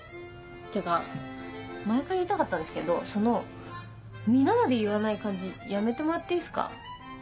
ってか前から言いたかったんですけどその皆まで言わない感じやめてもらっていいっすか。